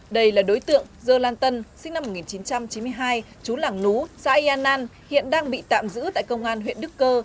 đây là đối tượng dơ lan tân sinh năm một nghìn chín trăm chín mươi hai chú lảng nú xã yên an hiện đang bị tạm giữ tại công an huyện đức cơ